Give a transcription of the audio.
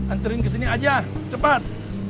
anterin ke sini aja cepat